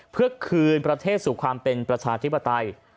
เพื่อคืนประเทศสู่ความเป็นประชาธิปไตย